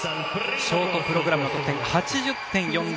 ショートプログラムの得点８０．４０。